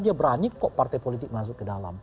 dia berani kok partai politik masuk ke dalam